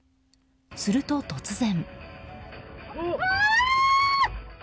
すると突然。